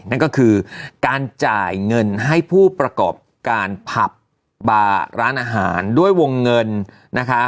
นั่นก็คือการจ่ายเงินให้ผู้ประกอบการผับบาร์ร้านอาหารด้วยวงเงินนะคะ